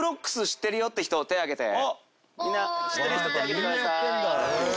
みんな知ってる人手上げてください。